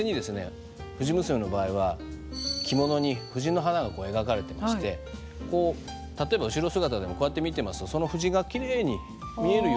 「藤娘」の場合は着物に藤の花が描かれてましてこう例えば後ろ姿でもこうやって見てますとその藤がきれいに見えるように。